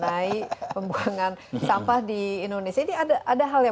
dari sekitar tujuh ton sampah yang diproduksi di jakarta setiap harinya